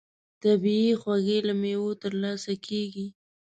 طبیعي خوږې له مېوو ترلاسه کېږي.